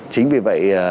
chính vì vậy